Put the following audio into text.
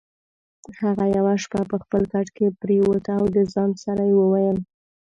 هغه یوه شپه په خپل کټ کې پرېوت او د ځان سره یې وویل: